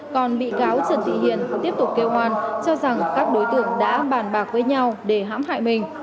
còn bị cáo trần thị hiền tiếp tục kêu oan cho rằng các đối tượng đã bàn bạc với nhau để hãm hại mình